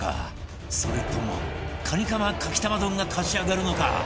それともカニカマかき玉丼が勝ち上がるのか？